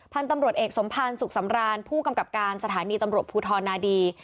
ท่านตำรวจเอกสมภารสุขสำราญผู้กำกับการสถานีตำรวบภูทรนาดี